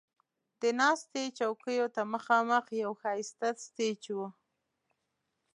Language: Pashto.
د ناستې چوکیو ته مخامخ یو ښایسته سټیج و.